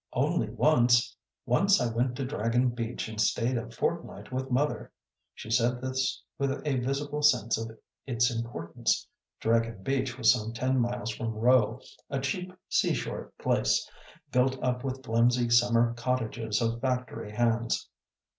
"Only once. Once I went to Dragon Beach and stayed a fortnight with mother." She said this with a visible sense of its importance. Dragon Beach was some ten miles from Rowe, a cheap seashore place, built up with flimsy summer cottages of factory hands.